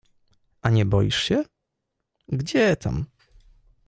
— A nie boisz się? — Gdzie tam.